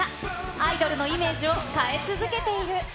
アイドルのイメージを変え続けている。